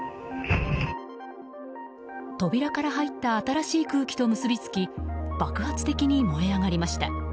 扉から入った新しい空気と結びつき爆発的に燃え上がりました。